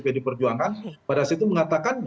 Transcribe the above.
pd perjuangan pada saat itu mengatakan